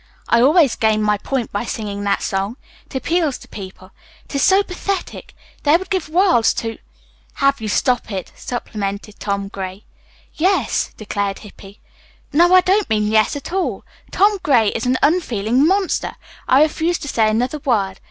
"I always gain my point by singing that song. It appeals to people. It is so pathetic. They would give worlds to " "Have you stop it," supplemented Tom Gray. "Yes," declared Hippy. "No, I don't mean 'yes' at all. Tom Gray is an unfeeling monster. I refuse to say another word.